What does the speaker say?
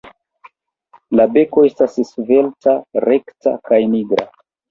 La beko estas svelta, rekta kaj nigra.